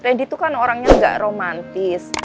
rendy tuh kan orangnya ga romantis